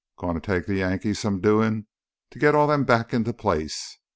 Gonna take th' Yankees some doin' to git all them back into place."